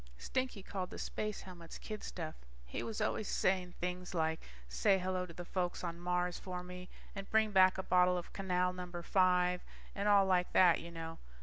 Stinky called the space helmets kid stuff. He was always saying things like say hello to the folks on Mars for me, and bring back a bottle of canal number five, and all like that, you know.